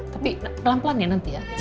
tapi pelan pelan ya nanti ya